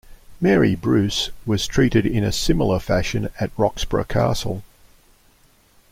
Mary Bruce was treated in a similar fashion at Roxburgh Castle.